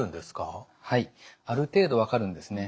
はいある程度分かるんですね。